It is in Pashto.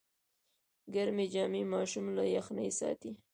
ګرمې جامې ماشوم له یخنۍ ساتي۔